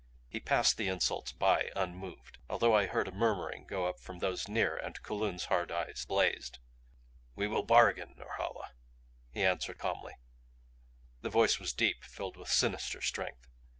He passed the insults by, unmoved although I heard a murmuring go up from those near and Kulun's hard eyes blazed. "We will bargain, Norhala," he answered calmly; the voice was deep, filled with sinister strength.